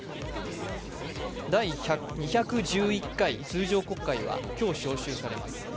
第２１１回通常国会は今日、召集されます。